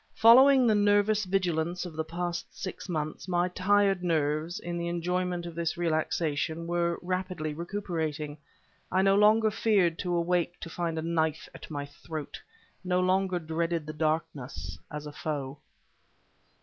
Following the nervous vigilance of the past six months, my tired nerves, in the enjoyment of this relaxation, were rapidly recuperating. I no longer feared to awake to find a knife at my throat, no longer dreaded the darkness as a foe.